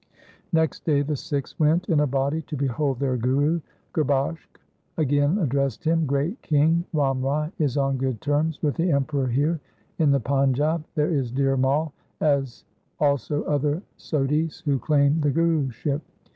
Next day the Sikhs went in a body to behold their Guru. Gurbakhsh again addressed him, ' Great king, Ram Rai is on good terms with the Emperor here. In the Panjab there is Dhir Mai, as also other Sodhis who claim the Guruship.